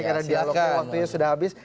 karena dialognya waktunya sudah habis